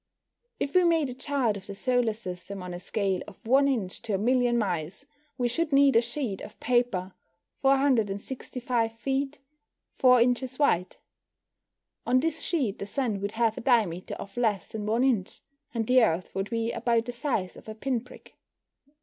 If we made a chart of the solar system on a scale of 1 inch to a million miles, we should need a sheet of paper 465 feet 4 inches wide. On this sheet the Sun would have a diameter of less than 1 inch, and the Earth would be about the size of a pin prick.